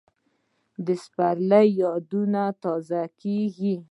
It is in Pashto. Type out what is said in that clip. د سپرلي یادونه تازه کېږي